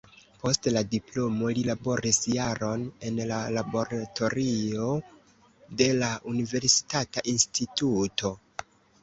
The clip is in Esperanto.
Post la diplomo li laboris jaron en laboratorio de la universitata instituto.